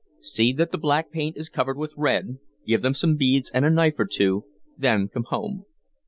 See that the black paint is covered with red, give them some beads and a knife or two, then come home.